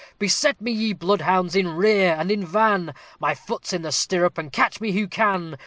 "Beset me, ye bloodhounds! in rear and in van; My foot's in the stirrup and catch me who can!"